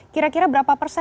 kira kira berapa persen